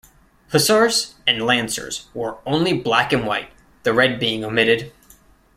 Hussars and lancers wore only black and white, the red being omitted.